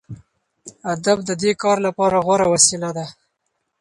ادب د دې کار لپاره غوره وسیله ده.